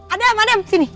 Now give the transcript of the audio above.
adam adam sini